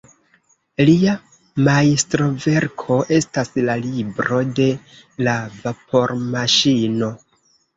Lia majstroverko estas la "Libro de la Vapormaŝino".